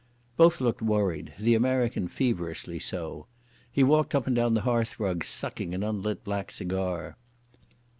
Both looked worried, the American feverishly so. He walked up and down the hearthrug, sucking an unlit black cigar.